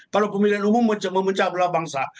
kalau pemilihan umum memecah belah bangsa